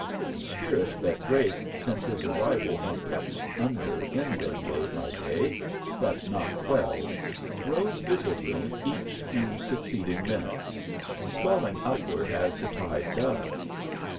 The spirit that Drake since his arrival had kept under in them day by day, but not quelled, rose visibly each few succeeding minutes, swelling upward as the tide does.